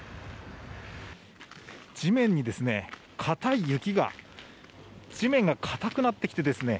地面にですね、硬い雪が地面が硬くなってきてですね